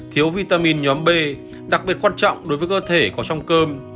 thiếu vitamin nhóm b đặc biệt quan trọng đối với cơ thể có trong cơm